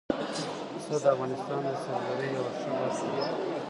پسه د افغانستان د سیلګرۍ یوه ښه برخه ده.